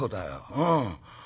うん。